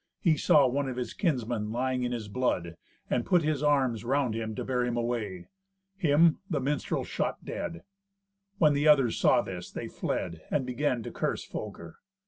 He saw one of his kinsmen lying in his blood, and put his arms round him to bear him away. Him the minstrel shot dead. When the others saw this, they fled, and began to curse Folker.